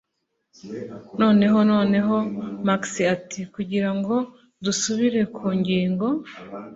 Noneho noneho," Max ati: "Kugira ngo dusubire ku ngingo"